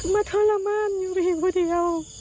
มาทรมานอยู่เพียงพูดเดียว